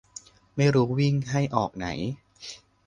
ไม่รู้วิ่งให้ออกไหน